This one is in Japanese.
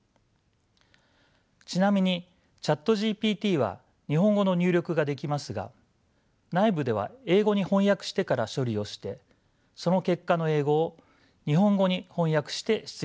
ちなみにＣｈａｔＧＰＴは日本語の入力ができますが内部では英語に翻訳してから処理をしてその結果の英語を日本語に翻訳して出力しています。